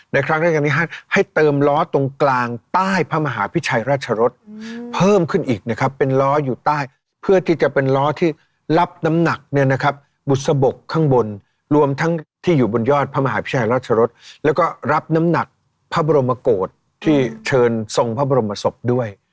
ในครั้งแรกนี้ให้เติมล้อตรงกลางใต้พระมหาพิชัยราชรสเพิ่มขึ้นอีกนะครับเป็นล้ออยู่ใต้เพื่อที่จะเป็นล้อที่รับน้ำหนักเนี่ยนะครับบุษบกข้างบนรวมทั้งที่อยู่บนยอดพระมหาพิชัยราชรสแล้วก็รับน้ำหนักพระบรมโกรธที่เชิญทรงพระบรมศพด้วย